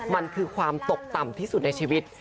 มันคือความตกต่ำที่สุดในชีวิต